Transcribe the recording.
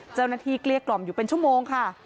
เจ้านาทีเกลี้ยกล่อมอยู่เป็นชั่วโมงค่ะ